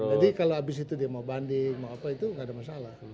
jadi kalau abis itu dia mau banding mau apa itu nggak ada masalah